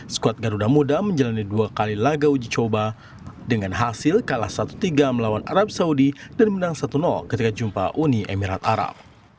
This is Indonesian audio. skuad garuda muda menjalani dua kali laga uji coba dengan hasil kalah satu tiga melawan arab saudi dan menang satu ketika jumpa uni emirat arab